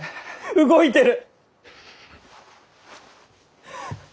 動いてる！